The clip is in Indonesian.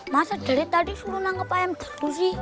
masa dari tadi selalu nangkep ayam terus sih